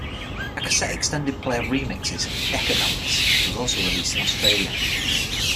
A cassette extended play of remixes, "Dekadance", was also released in Australia.